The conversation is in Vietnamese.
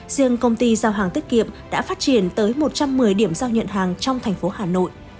riêng công ty giao hàng tiết kiệm đã phát triển tới một trăm một mươi điểm giao nhận hàng trong thành phố hà nội